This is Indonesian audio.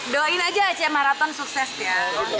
doain aja aceh marathon sukses ya